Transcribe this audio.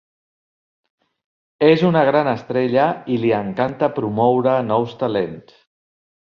És una gran estrella i li encanta promoure nous talents.